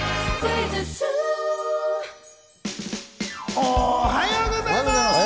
おはようございます！